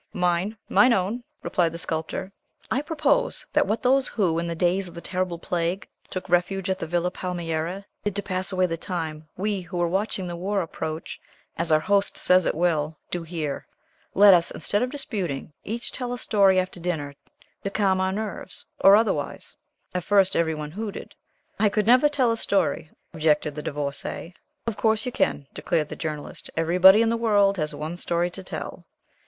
"Mine, mine own," replied the Sculptor. "I propose that what those who, in the days of the terrible plague, took refuge at the Villa Palmieri, did to pass away the time, we, who are watching the war approach as our host says it will do here. Let us, instead of disputing, each tell a story after dinner to calm our nerves, or otherwise." At first every one hooted. "I could never tell a story," objected the Divorcée. "Of course you can," declared the Journalist. "Everybody in the world has one story to tell."